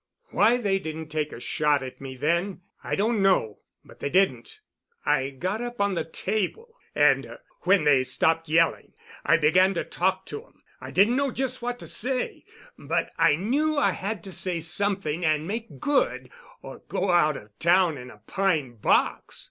Why they didn't take a shot at me then, I don't know—but they didn't. I got up on the table, and, when they stopped yelling, I began to talk to 'em. I didn't know just what to say, but I knew I had to say something and make good—or go out of town in a pine box.